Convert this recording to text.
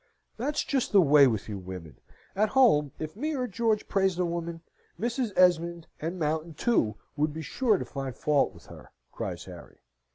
"That's just the way with you women! At home, if me or George praised a woman, Mrs. Esmond. and Mountain, too, would be sure to find fault with her!" cries Harry.